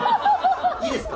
いいですか？